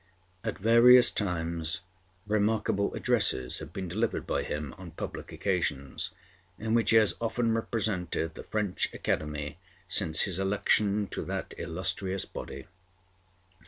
At various times remarkable addresses have been delivered by him on public occasions, in which he has often represented the French Academy since his election to that illustrious body.